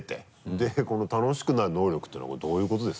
でこの「楽しくなる能力」っていうのはどういうことですか？